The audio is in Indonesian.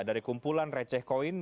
dari kumpulan receh koin